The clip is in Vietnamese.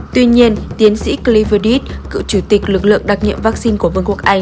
tuy nhiên tiến sĩ clifford heath cựu chủ tịch lực lượng đặc nhiệm vaccine của vương quốc anh